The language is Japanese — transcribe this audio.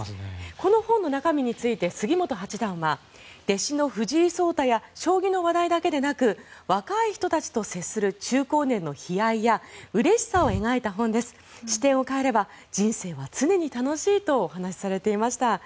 この本の中身について杉本八段は弟子の藤井聡太や将棋の話題だけでなく若い人たちと接する中高年の悲哀やうれしさを描いた本です視点を変えれば人生は常に楽しいとお話しされていました。